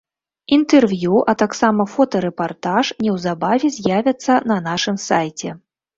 Інтэрв'ю, а таксама фотарэпартаж неўзабаве з'явяцца на нашым сайце.